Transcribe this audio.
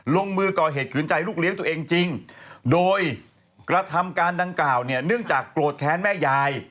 ลงมือก่อเหตุขืนใจลูกเลี้ยงตัวเองจริงโดยกระทำการดังกล่าวเนี่ยเนื่องจากโกรธแค้นแม่ยาย